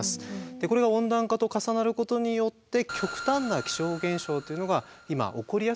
これが温暖化と重なることによって極端な気象現象というのが今起こりやすくなっているんですよね。